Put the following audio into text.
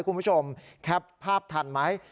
คุณผู้ชมแคปภาพทันไหม